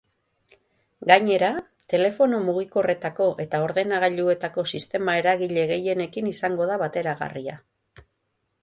Gainera, telefono mugikorretako eta ordenagailuetako sistema eragile gehienekin izango da bateragarria.